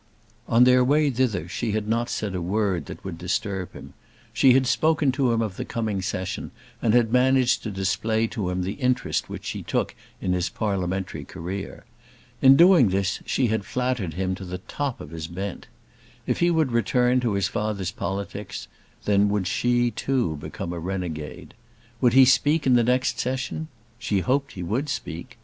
On their way thither she had not said a word that would disturb him. She had spoken to him of the coming Session, and had managed to display to him the interest which she took in his parliamentary career. In doing this she had flattered him to the top of his bent. If he would return to his father's politics, then would she too become a renegade. Would he speak in the next Session? She hoped he would speak.